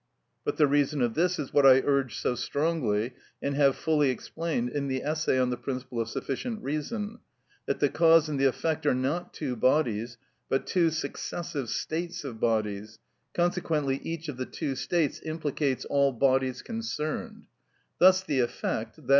But the reason of this is what I urge so strongly and have fully explained in the essay on the principle of sufficient reason, that the cause and the effect are not two bodies, but two successive states of bodies, consequently each of the two states implicates all bodies concerned; thus the effect, _i.